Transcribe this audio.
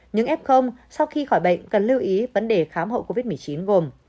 những f sau khi khỏi bệnh cần lưu ý vấn đề khám hậu covid một mươi chín gồm